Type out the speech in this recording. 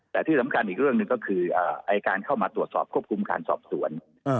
แต่ที่สำคัญอีกเรื่องหนึ่งก็คือไอ้การเข้ามาตรวจสอบควบคุมการสอบสวน